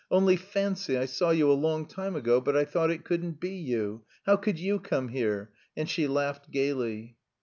"Only fancy, I saw you a long time ago, but I thought it couldn't be you! How could you come here!" And she laughed gaily.